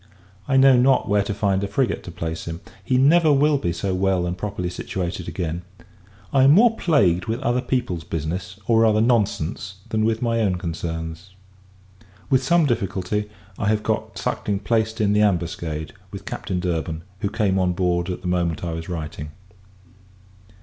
I know not where to find a frigate to place him. He never will be so well and properly situated again. I am more plagued with other people's business, or rather nonsense, than with my own concerns, With some difficulty, I have got Suckling placed in the Ambuscade, with Captain Durban, who came on board at the moment I was writing.